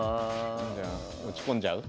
じゃあ打ち込んじゃう？